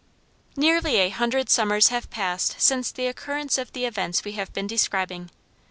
Nearly a hundred summers have passed since the occurrence of the events we have been describing.